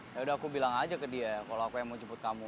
yaudah aku bilang aja ke dia kalo aku yang mau jemput kamu